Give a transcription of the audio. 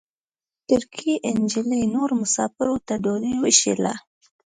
ترکۍ نجلۍ نورو مساپرو ته ډوډۍ وېشله.